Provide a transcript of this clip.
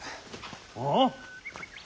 ああ？